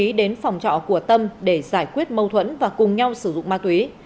tâm đã đi đến phòng trọ của tâm để giải quyết mâu thuẫn và cùng nhau sử dụng ma túy